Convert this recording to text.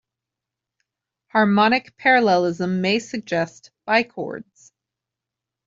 Harmonic parallelism may suggest bichords.